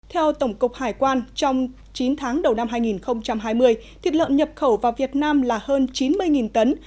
theo tổng cục hải quan trong chín tháng đầu năm hai nghìn hai mươi thịt lợn nhập khẩu vào việt nam là hơn chín mươi tấn